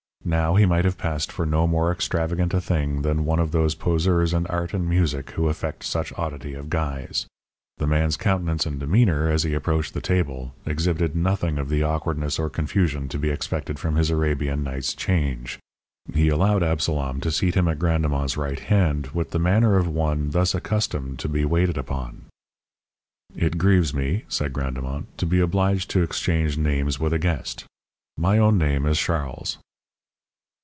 Now he might have passed for no more extravagant a thing than one of those poseurs in art and music who affect such oddity of guise. The man's countenance and demeanour, as he approached the table, exhibited nothing of the awkwardness or confusion to be expected from his Arabian Nights change. He allowed Absalom to seat him at Grandemont's right hand with the manner of one thus accustomed to be waited upon. "It grieves me," said Grandemont, "to be obliged to exchange names with a guest. My own name is Charles."